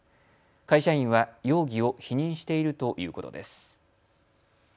会社員は容疑を否認しているということです。